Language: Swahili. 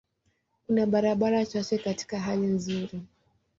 Kuna barabara chache katika hali nzuri.